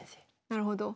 なるほど。